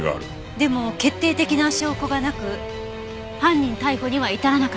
でも決定的な証拠がなく犯人逮捕には至らなかった。